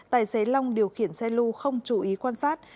tài xế long điều khiển xe lưu không chú ý quan sát